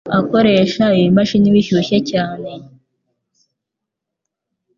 aba akoresha ibimashini bishyushye cyane